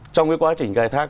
trong cái quá trình khai thác